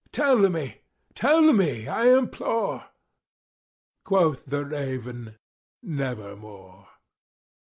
—tell me—tell me, I implore!" Quoth the raven, "Nevermore."